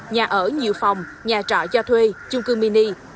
nhà ở nhiều phòng nhà trọ cho thuê chung cư mini